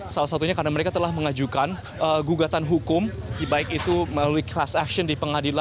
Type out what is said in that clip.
salah satunya karena mereka telah mengajukan gugatan hukum baik itu melalui class action di pengadilan